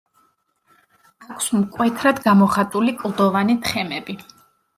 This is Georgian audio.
აქვს მკვეთრად გამოხატული კლდოვანი თხემები.